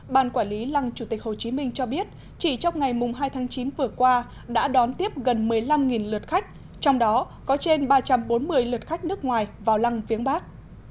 ban quản lý lăng chủ tịch hồ chí minh cho biết chỉ trong ngày hai tháng chín vừa qua đã đón tiếp gần một mươi năm lượt khách trong đó có trên ba trăm bốn mươi lượt khách nước ngoài vào lăng viếng bắc